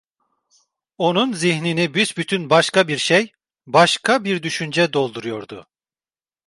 Onun zihnini büsbütün başka bir şey, başka bir düşünce dolduruyordu.